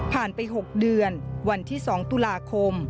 ไป๖เดือนวันที่๒ตุลาคม